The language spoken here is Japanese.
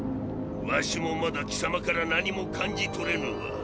儂もまだ貴様から何も感じ取れぬわ。